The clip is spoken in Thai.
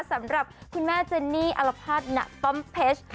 สำหรับคุณแม่เจนฟิล์ลอัลปารต์ณป้อมเพช